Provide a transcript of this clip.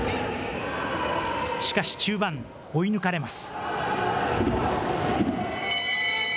しかし中盤、追い抜かれます。